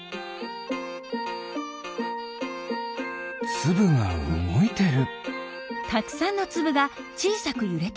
つぶがうごいてる！